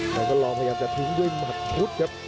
แล้วก็ลองพยายามจะทิ้งด้วยหมัดพุทธครับ